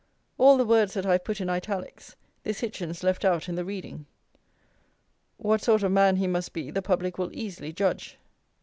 All the words that I have put in Italics, this HITCHINS left out in the reading. What sort of man he must be the public will easily judge.